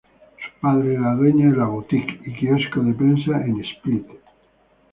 Su padre era dueño de la boutique y quiosco de prensa en Split.